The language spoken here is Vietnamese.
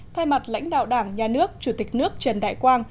thay mặt lãnh đạo đảng nhà nước chủ tịch nước trần đại quang